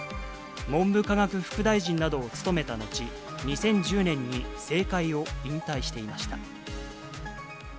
文部科学副大臣などを務めたのち、２０１０年に政界を引退していました。